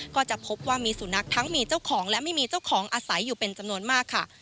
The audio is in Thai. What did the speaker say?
ก็จะพบว่ามีสุนัขทั้งมีเจ้าของและไม่มีเจ้าของอาศัยอยู่เป็นจำนวนมากค่ะ